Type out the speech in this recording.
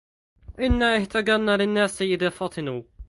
إنا اهتجرنا للناس إذ فطنوا